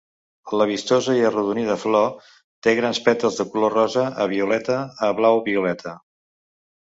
La vistosa i arrodonida flor té grans pètals de color rosa a violeta a blau-violeta.